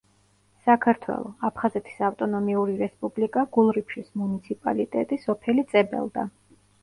საქართველო, აფხაზეთის ავტონომიური რესპუბლიკა, გულრიფშის მუნიციპალიტეტი, სოფელი წებელდა.